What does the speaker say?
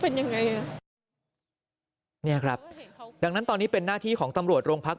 เป็นยังไงอ่ะเนี่ยครับดังนั้นตอนนี้เป็นหน้าที่ของตำรวจโรงพัก